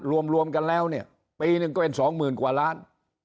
รวมกันแล้วเนี่ยปีหนึ่งก็เป็นสองหมื่นกว่าล้าน